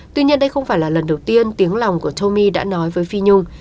tuy nhiên đây không phải là lần đầu tiên tiếng lòng của tomi đã nói với phi nhung